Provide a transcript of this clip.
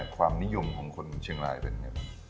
ความนิยมของคนเชียงรายเป็นอย่างไร